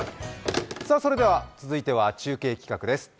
それでは続いては中継企画です。